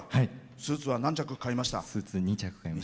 スーツは何着買いました？